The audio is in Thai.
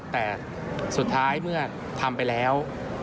แต่สุดท้ายเมื่อทำไปแล้ว